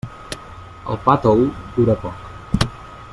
El pa tou dura poc.